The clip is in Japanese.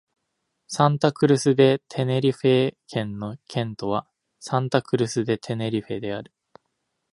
サンタ・クルス・デ・テネリフェ県の県都はサンタ・クルス・デ・テネリフェである